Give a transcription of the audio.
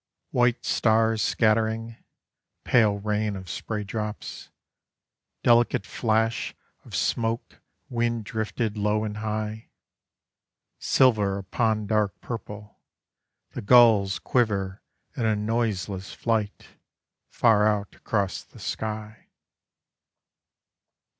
_ White stars scattering, Pale rain of spray drops, Delicate flash of smoke wind drifted low and high, Silver upon dark purple, The gulls quiver In a noiseless flight, far out across the sky.